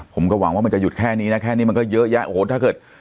ผมก็หวังว่ามันจะหยุดแค่นี้นะแค่นี้มันก็เยอะแยะโอ้โหถ้าเกิด